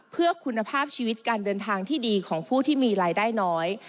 เพื่อคุณภาพชีวิตการเดินทางที่ดีของผู้ที่มีรายได้น้อย